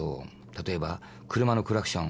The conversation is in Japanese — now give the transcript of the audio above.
例えば車のクラクション。